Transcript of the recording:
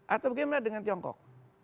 atau gimana dengan tiongkok